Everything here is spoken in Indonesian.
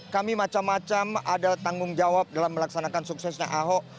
kami macam macam ada tanggung jawab dalam melaksanakan suksesnya ahok